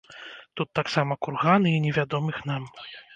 Тут таксама курганы і невядомых нам.